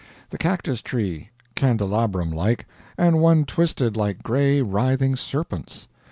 The cactus tree candelabrum like; and one twisted like gray writhing serpents.